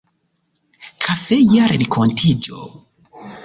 Kafeja renkontiĝo?